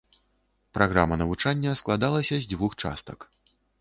Праграма навучання складалася з дзвюх частак.